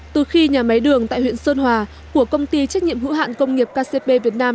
từ khi nhà máy đường tại huyện sơn hòa của công ty trách nhiệm hữu hạn công nghiệp kcp việt nam